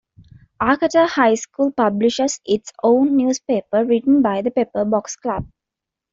Arcata High School publishes its own newspaper written by the Pepper Box Club.